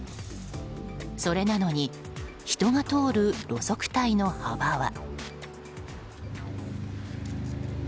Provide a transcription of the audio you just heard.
それなのに人が通る路側帯の幅は。